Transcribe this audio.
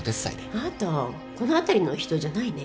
あんたこの辺りの人じゃないね。